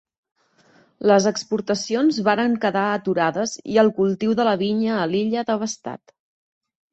Les exportacions varen quedar aturades i el cultiu de la vinya a l'illa devastat.